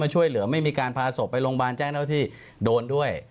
หรือไม่มีการพาศพไปโรงบาลแจ้งแล้วที่โดนด้วย